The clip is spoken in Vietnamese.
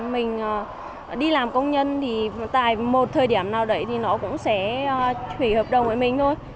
mình đi làm công nhân thì tại một thời điểm nào đấy thì nó cũng sẽ thủy hợp đồng với mình thôi